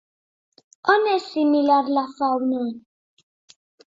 On és similar la fauna?